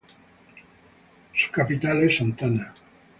Su capital es Santana.